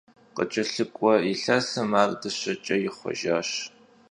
Khıç'elhık'ue yilhesım ar dışeç'e yixhuejjaş.